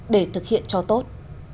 để thực hiện cho tốt